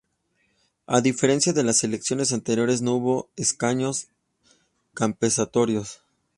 A diferencia de las elecciones anteriores, no hubo escaños "compensatorios".